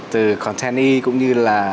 từ content e cũng như là